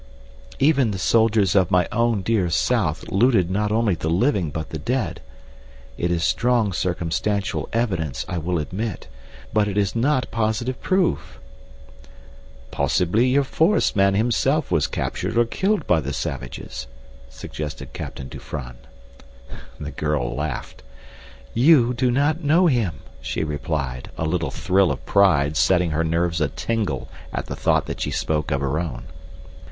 "Even the soldiers of my own dear South looted not only the living but the dead. It is strong circumstantial evidence, I will admit, but it is not positive proof." "Possibly your forest man, himself was captured or killed by the savages," suggested Captain Dufranne. The girl laughed. "You do not know him," she replied, a little thrill of pride setting her nerves a tingle at the thought that she spoke of her own.